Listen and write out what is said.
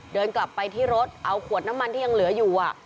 เดินกลับไปที่รถเอาขวดน้ำมันที่ยังเหลืออยู่